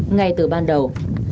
ngay từ ban đầu